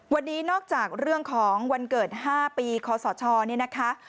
วันนี้นอกจากเรื่องของวันเกิด๕ปีขอสเชาะ